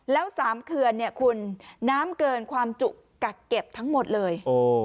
แล้ว๓เขื่อนเนี่ยคุณน้ำเกินความจุกักเก็บทั้งหมดเลย